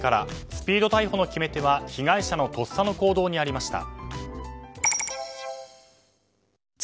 スピード逮捕の決め手は被害者のとっさの行動にありました。